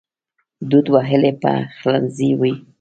دود وهلی پخلنځی وي